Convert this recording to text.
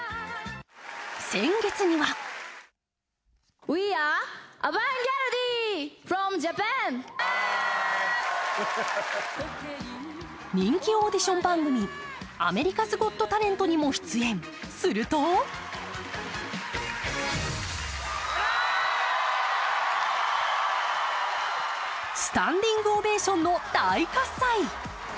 先月には人気オーディション番組「アメリカズ・ゴット・タレント」にも出演、するとスタンディングオベーションの大喝采。